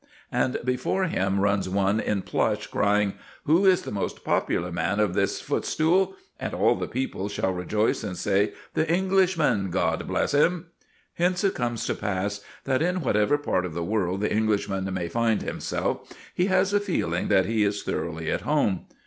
And before him runs one in plush, crying, "Who is the most popular man of this footstool?" And all the people shall rejoice and say, "The Englishman God bless him!" Hence it comes to pass that in whatever part of the world the Englishman may find himself, he has a feeling that he is thoroughly at home.